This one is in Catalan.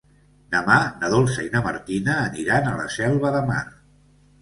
Demà na Dolça i na Martina aniran a la Selva de Mar.